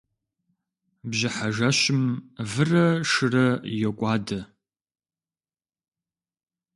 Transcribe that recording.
Бжьыхьэ жэщым вырэ шырэ йокӀуадэ.